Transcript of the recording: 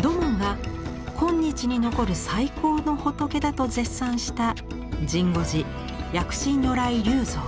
土門が今日に残る最高の仏だと絶賛した神護寺薬師如来立像。